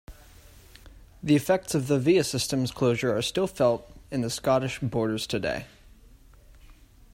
The effects of the Viasystems closure are still felt in the Scottish Borders today.